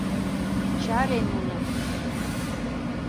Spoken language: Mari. Чаре нуным!